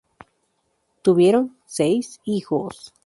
Tuvieron seis hijos.